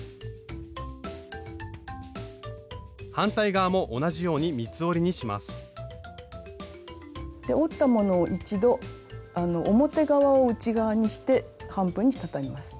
反対側も同じように三つ折りにしますで折ったものを一度表側を内側にして半分にたたみます。